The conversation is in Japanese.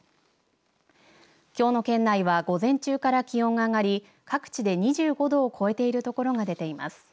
きょうの県内は午前中から気温が上がり各地で２５度を超えている所が出ています。